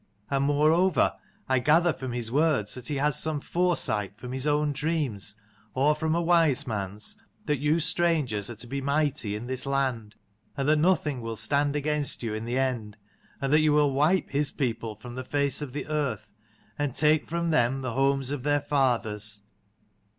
And moreover I gather from his words that he has some foresight from his own dreams or from a wise man's, that you strangers are to be mighty in this land, and that nothing will stand against you in the end : and that you will wipe his people from the face of the earth, and take from them the homes of their fathers.